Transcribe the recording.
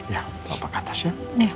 ya bawa pak katas ya